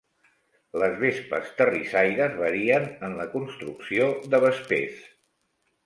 Les vespes terrissaires varien en la construcció de vespers.